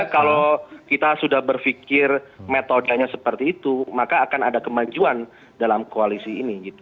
kalau kita sudah berpikir metodenya seperti itu maka akan ada kemajuan dalam koalisi ini